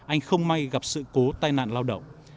anh không may gặp sự cố tai nạn lao động